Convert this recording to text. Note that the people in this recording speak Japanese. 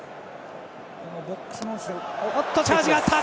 チャージがあった！